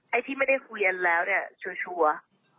ไอ้ที่ไม่ได้คุยแล้วเนี่ยชัวร์